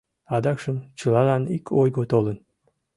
Адакшым чылалан ик ойго толын.